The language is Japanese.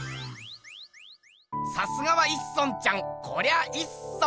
さすがは一村ちゃんこりゃいっそん。